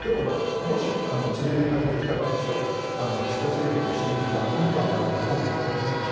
もし、連れて帰ってきたら岸田政権の支持率はうんと上がると思うんですけどね。